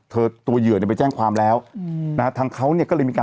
ตัวเหยื่อเนี่ยไปแจ้งความแล้วอืมนะฮะทางเขาเนี่ยก็เลยมีการ